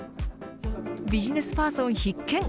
ビジネスパーソン必見。